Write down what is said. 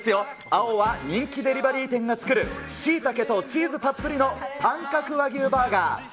青は人気デリバリー店が作るしいたけとチーズたっぷりの短角和牛バーガー。